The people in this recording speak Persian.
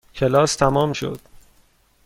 کلاس تمام شد.